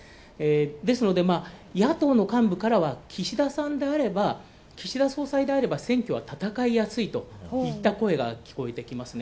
ですので、野党の幹部からは岸田さんであれば岸田総裁であれば、選挙は戦いやすいといった声が聞こえてきますね。